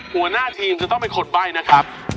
หัวหน้าทีมจะต้องเป็นคนใบ้นะครับ